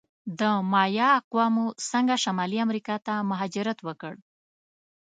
د مایا اقوامو څنګه شمالي امریکا ته مهاجرت وکړ؟